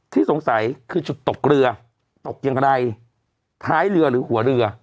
ที่สงสัยคือชุดตกเรือตกอย่างไร้รือหัว